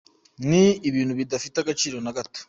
Ni ibintu bidafite agaciro na gato.